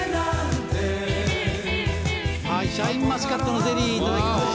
はいシャインマスカットのゼリーいただきます。